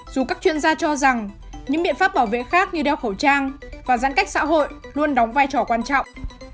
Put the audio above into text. dù các chuyên gia cho rằng những biện pháp bảo vệ khác như đeo khẩu trang và giãn cách xã hội luôn đóng vai trò quan trọng